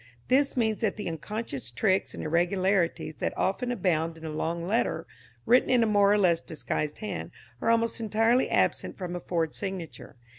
This means that the unconscious tricks and irregularities that often abound in a long letter, written in a more or less disguised hand, are almost entirely absent from a forged signature.